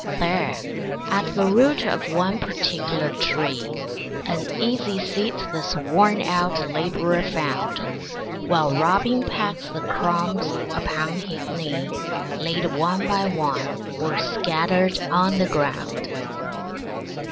There, at the root of one particular tree, An easy seat this worn out Labourer found While Robin pecked the crumbs upon his knee Laid one by one, or scattered on the ground.